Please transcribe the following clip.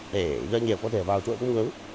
để doanh nghiệp có thể vào chỗ cung ứng